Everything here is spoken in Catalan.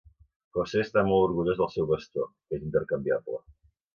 José està molt orgullós del seu bastó, que és intercanviable.